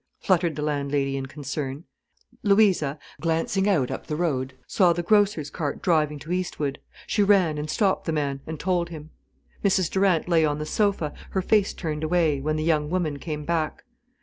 fluttered the landlady in concern. Louisa, glancing out up the road, saw the grocer's cart driving to Eastwood. She ran and stopped the man, and told him. Mrs Durant lay on the sofa, her face turned away, when the young woman came back.